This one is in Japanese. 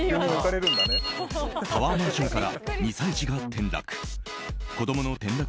タワーマンションから２歳児が転落。